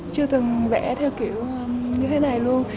chưa từng vẽ theo kiểu như thế này luôn